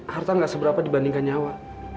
harta gak seberapa dibandingkan nyawa